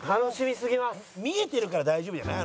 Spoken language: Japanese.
「見えてるから大丈夫じゃない？」